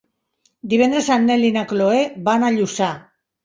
Divendres en Nel i na Chloé van a Lluçà.